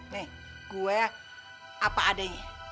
nih gue apa adanya